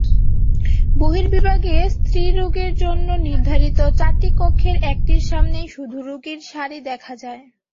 বহির্বিভাগে স্ত্রীরোগের জন্য নির্ধারিত চারটি কক্ষের একটির সামনেই শুধু রোগীর সারি দেখা যায়।